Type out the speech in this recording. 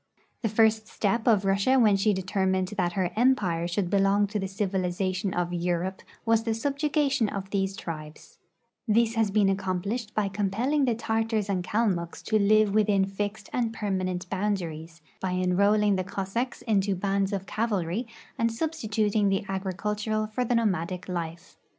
'' The first step of Russia when she determined that her em])ire should l)elong to the civilization of Europe was the subjugation of these tribes. This has been accomplislied by compelling the Tartars *Ammal :ul(lre.ss delivercil May 10, 1805. 4 RUSSIA IX EUROPE and Kalmucks to live within fixed and permanent boundaries, by enrolling tlie Cossacks into bands of cavalry, and substituting the agricultural for the nomadic life.